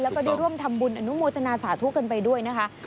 แล้วก็ได้ร่วมทำบุญอนุโมทนาสาธุกันไปด้วยนะคะ